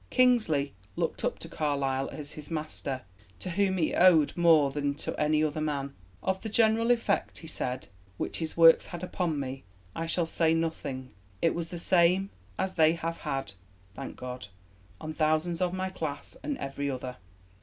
Kingsley looked up to Carlyle as his master, to whom he owed more than to any other man. "Of the general effect," he said, "which his works had upon me, I shall say nothing: it was the same as they have had, thank God, on thousands of my class and every other."